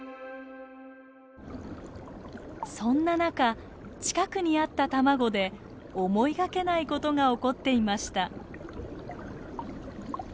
そんな中近くにあった卵で思いがけないことが起こっていました。